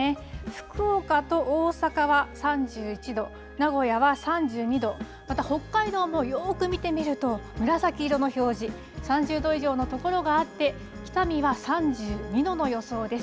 福岡と大阪は３１度、名古屋は３２度、また北海道もよく見てみると、紫色の表示、３０度以上の所があって、北見は３２度の予想です。